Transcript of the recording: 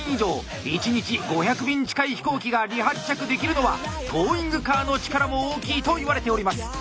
１日５００便近い飛行機が離発着できるのはトーイングカーの力も大きいといわれております。